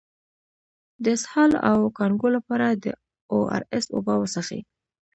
د اسهال او کانګو لپاره د او ار اس اوبه وڅښئ